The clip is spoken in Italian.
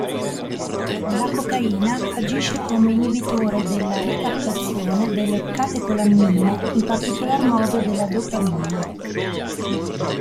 La cocaina agisce come inibitore della ricaptazione delle catecolammine, in particolar modo della dopamina.